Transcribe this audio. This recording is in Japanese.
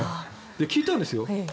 聞いたんですよ。